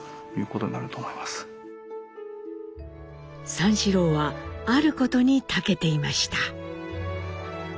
三四郎はあることに長けていました。